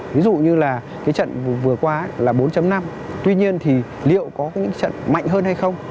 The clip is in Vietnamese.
ví dụ như là cái trận vừa qua là bốn năm tuy nhiên thì liệu có những trận mạnh hơn hay không